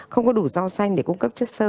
không có đủ rau xanh để cung cấp chất sơ